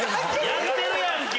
やってるやんけ！